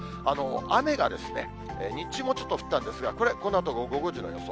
雨が日中もちょっと降ったんですが、これ、このあと午後５時の予想。